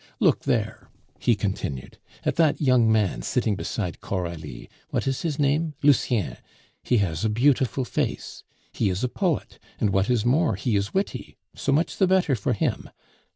"Look there," he continued, "at that young man sitting beside Coralie what is his name? Lucien! He has a beautiful face; he is a poet; and what is more, he is witty so much the better for him.